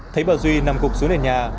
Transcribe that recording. thấy bà duy nằm cục xuống đèn nhà